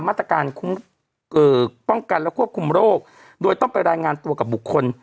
มาตรการคุ้มป้องกันและควบคุมโรคโดยต้องไปรายงานตัวกับบุคคล